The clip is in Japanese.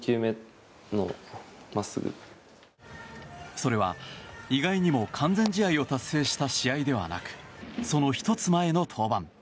それは、意外にも完全試合を達成した試合ではなくその１つ前の登板。